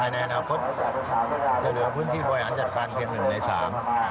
ในอนาคตจะเหลือพื้นที่บริหารจัดการเพียงหนึ่งในสาม